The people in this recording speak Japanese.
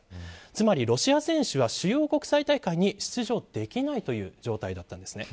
つまりロシア選手は主要国際大会に出場できないという状態だったんです。